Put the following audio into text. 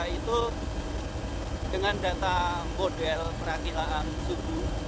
itu dengan data model perakilan suhu